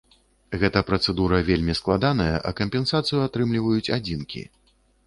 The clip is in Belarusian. Гэта працэдура вельмі складаная, а кампенсацыю атрымліваюць адзінкі.